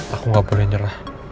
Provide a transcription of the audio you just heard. aku gak boleh nyerah